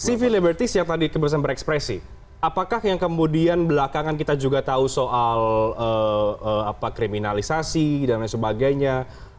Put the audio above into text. civil liberties yang tadi kebebasan berekspresi apakah yang kemudian belakangan kita juga tahu soal kriminalisasi dan lain sebagainya